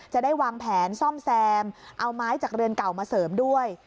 จะได้วางแผนซ่อมแซมเอาไม้จากเรือนเก่ามาเสริมด้วย